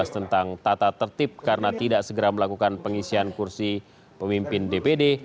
tentang tata tertib karena tidak segera melakukan pengisian kursi pemimpin dpd